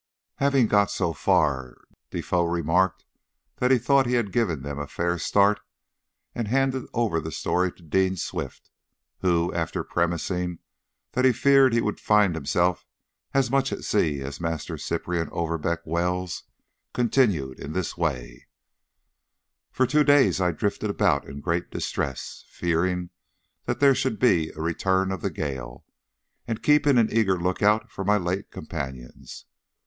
Having got so far, Defoe remarked that he thought he had given them a fair start, and handed over the story to Dean Swift, who, after premising that he feared he would find himself as much at sea as Master Cyprian Overbeck Wells, continued in this way: "For two days I drifted about in great distress, fearing that there should be a return of the gale, and keeping an eager look out for my late companions.